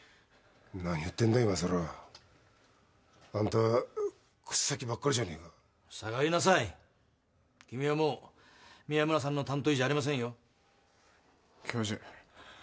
何言ってるんだ今さらアンタ口先ばっかりじゃねえか下がりなさい君はもう宮村さんの担当医じゃありません教授